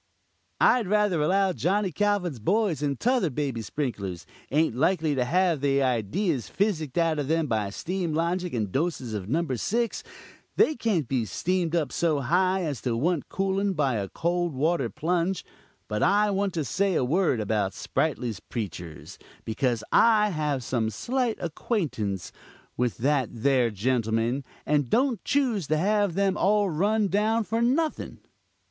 "I rather allow Johnny Calvin's boys and 'tother baby sprinklers,' ain't likely to have they idees physicked out of them by steam logic, and doses of No. 6. They can't be steamed up so high as to want cooling by a cold water plunge. But I want to say a word about Sprightly's preachers, because I have some slight acquaintance with that there gentleman, and don't choose to have them all run down for nothing.